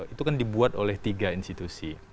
itu kan dibuat oleh tiga institusi